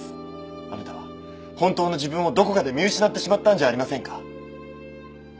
あなたは本当の自分をどこかで見失ってしまったんじゃありませんか？